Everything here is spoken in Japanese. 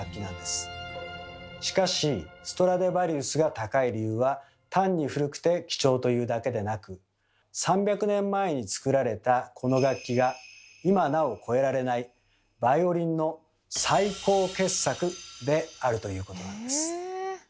しかしストラディヴァリウスが高い理由は単に古くて貴重というだけでなく３００年前に作られたこの楽器が今なお超えられないバイオリンの最高傑作であるということなんです。